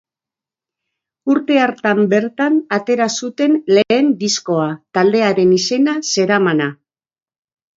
Urte hartan bertan atera zuten lehen diskoa, taldearen izena zeramana.